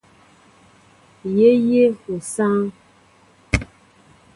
Yé yéʼ osááŋ.